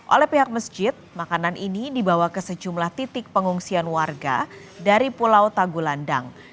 oleh pihak masjid makanan ini dibawa ke sejumlah titik pengungsian warga dari pulau tagulandang